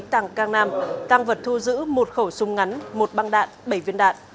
tàng cang nam tăng vật thu giữ một khẩu súng ngắn một băng đạn bảy viên đạn